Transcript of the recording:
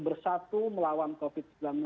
bersatu melawan covid sembilan belas